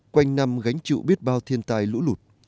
quanh năm gánh trụ biết bao thiên tài lũ lụt